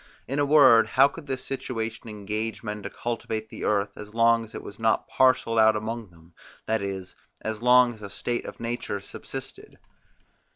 In a word, how could this situation engage men to cultivate the earth, as long as it was not parcelled out among them, that is, as long as a state of nature subsisted.